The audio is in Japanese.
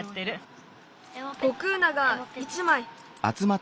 ５クーナが１まい。